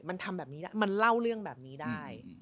มันทำแบบนี้ได้มันเล่าเรื่องแบบนี้ได้